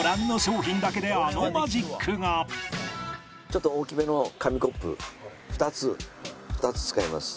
ちょっと大きめの紙コップ２つ２つ使います。